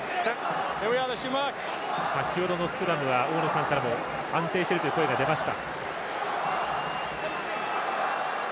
先ほどのスクラムは大野さんからも安定しているという声が出ました。